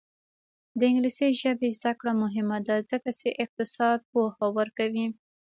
د انګلیسي ژبې زده کړه مهمه ده ځکه چې اقتصاد پوهه ورکوي.